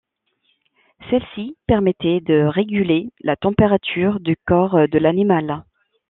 Celle-ci permettait de réguler la température du corps de l'animal.